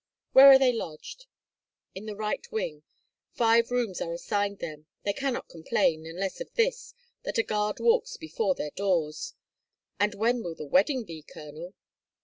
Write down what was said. "Where are they lodged?" "In the right wing. Five rooms are assigned them; they cannot complain, unless of this, that a guard walks before their doors. And when will the wedding be, Colonel?"